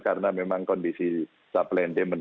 karena memang kondisi supplement